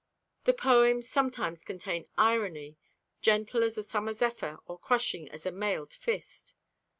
The poems sometimes contain irony, gentle as a summer zephyr or crushing as a mailed fist.